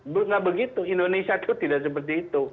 nggak begitu indonesia itu tidak seperti itu